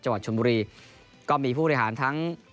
จังหวัดชนบุรีก็มีผู้บริหารทั้ง